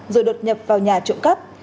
rồi đột nhập vào nhà trộm cắp